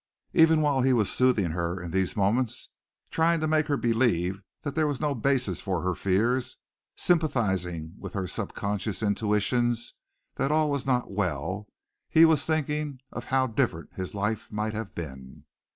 Even while he was soothing her in these moments, trying to make her believe that there was no basis for her fears, sympathizing with her subconscious intuitions that all was not well, he was thinking of how different his life might have been.